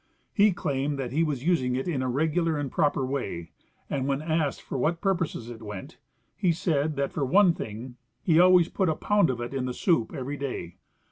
He claimed that he was using it in a regular and proper Avay, and when asked for Avhat purposes it Avent, he said that, for one thing, he ahvays put a pound of it in the soup every day.